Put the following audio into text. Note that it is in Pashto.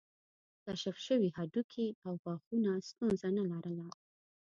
کشف شوي هډوکي او غاښونه ستونزه نه لرله.